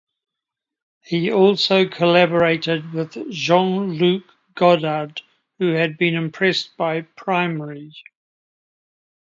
He also collaborated with Jean-Luc Godard, who had been impressed by "Primary".